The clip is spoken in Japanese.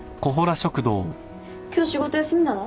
今日仕事休みなの？